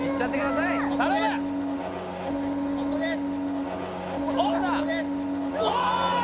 ここです！